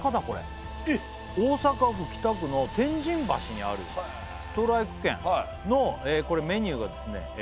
これ大阪府北区の天神橋にあるストライク軒のこれメニューがですね